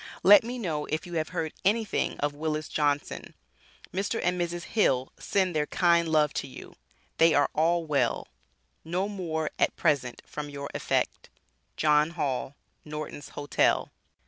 Let me know if you have heard anything of Willis Johnson Mr. & Mrs. Hill send their kind love to you, they are all well, no more at present from your affect., JOHN HALL Nortons Hotel.